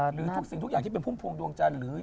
หรือทุกสิ่งทุกอย่างที่เป็นพุ่มพวงดวงจันทร์หรือ